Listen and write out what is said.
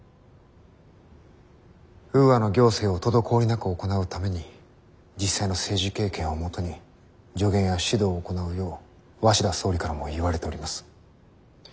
ウーアの行政を滞りなく行うために実際の政治経験をもとに助言や指導を行うよう鷲田総理からも言われております。